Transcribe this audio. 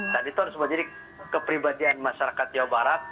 dan itu harus menjadi kepribadian masyarakat jawa barat